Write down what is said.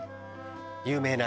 有名な。